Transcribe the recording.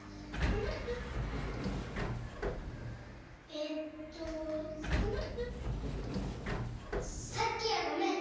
えっとさっきはごめん！